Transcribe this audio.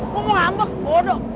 gue mau ngambek bodoh